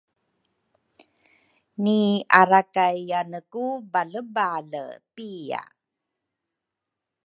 niarakayyane ku balebale pia